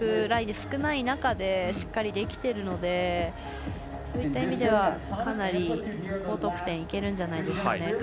ラインで少ない中でしっかりできているのでそういった意味ではかなり高得点いけるんじゃないですかね。